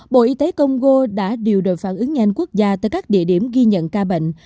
bộ y tế congo đã điều đội phản ứng nhanh quốc gia tới các địa điểm ghi nhận ca bệnh